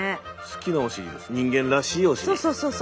好きなお尻です人間らしいお尻。